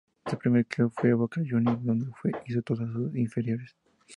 Su primer Club fue Boca Juniors, donde hizo todas sus inferiores.